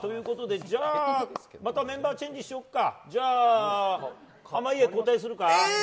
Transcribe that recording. またメンバーチェンジしようか。